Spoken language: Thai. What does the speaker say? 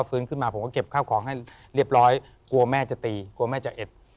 ฟื้นขึ้นมาผมก็เก็บข้าวของให้เรียบร้อยกลัวแม่จะตีกลัวแม่จะเอ็ด